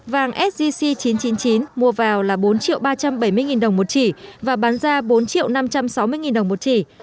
vàng sgc chín trăm chín mươi chín mua vào là bốn triệu ba trăm bảy mươi nghìn đồng một trị và bán ra bốn triệu năm trăm sáu mươi nghìn đồng một trị